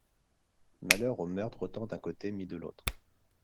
Malheur au meurtre autant d'un côté Mie de l'autre !